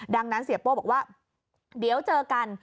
ดังนั้นเสียโป้บอกว่าเดี๋ยวเจอกัน